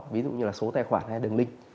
ví dụ như số tài khoản hay đường link